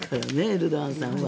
エルドアンさんは。